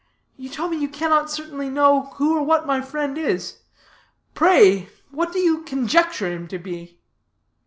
You tell me you cannot certainly know who or what my friend is; pray, what do you conjecture him to be?"